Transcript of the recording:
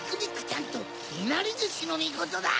ちゃんといなりずしのみことだ！